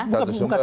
satu sumber ya